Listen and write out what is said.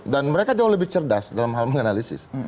dan mereka jauh lebih cerdas dalam hal menganalisis